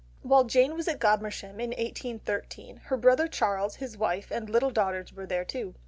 While Jane was at Godmersham in 1813, her brother Charles, his wife, and little daughters were there too.